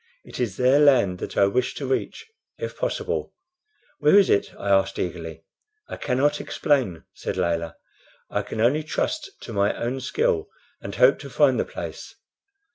It is their land that I wish to reach, if possible." "Where is it?" I asked, eagerly. "I cannot explain," said Layelah. "I can only trust to my own skill, and hope to find the place.